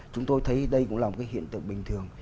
chúng tôi thấy đây cũng là một cái hiện tượng bình thường